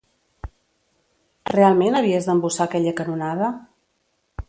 Realment havies d'embussar aquella canonada?